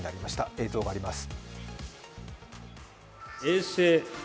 映像があります。